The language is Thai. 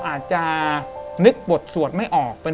แต่ขอให้เรียนจบปริญญาตรีก่อน